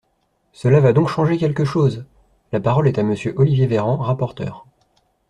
Cela va donc changer quelque chose ! La parole est à Monsieur Olivier Véran, rapporteur.